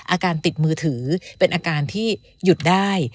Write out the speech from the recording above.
อาการติดมือถือเป็นอาการที่หยุดได้